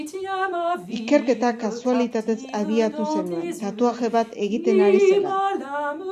Ikerketa kasualitatez abiatu zenuen, tatuaje bat egiten ari zela.